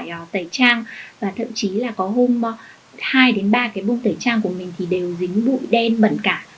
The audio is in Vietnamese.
để tẩy trang và thậm chí là có hôm hai đến ba cái bông tẩy trang của mình thì đều dính bụi đen bẩn cả